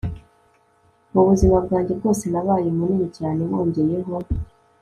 Mubuzima bwanjye bwose nabaye munini cyane wongeyeho